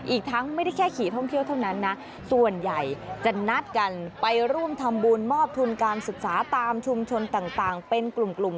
อีกทั้งไม่ได้แค่ขี่ท่องเที่ยวเท่านั้นนะส่วนใหญ่จะนัดกันไปร่วมทำบุญมอบทุนการศึกษาตามชุมชนต่างเป็นกลุ่ม